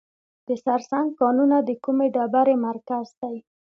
د سرسنګ کانونه د کومې ډبرې مرکز دی؟